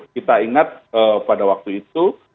kita ingat pada waktu itu